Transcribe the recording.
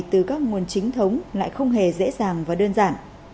từ các nguồn chính thống lại không hề dễ dàng và đơn giản